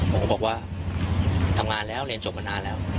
ผมก็บอกว่าทำงานแล้วเรียนจบมานานแล้ว